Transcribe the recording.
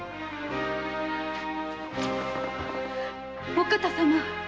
お方様！